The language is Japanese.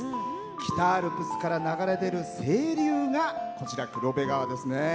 北アルプスから流れ出る清流が黒部川ですね。